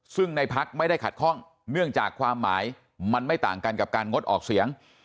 ซึ่งในพักไม่ได้ขัดข้องเนื่องจากความหมายมันไม่ต่างกันกับการงดออกเสียง